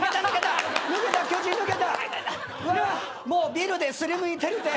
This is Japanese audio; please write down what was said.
ビルで擦りむいてるて！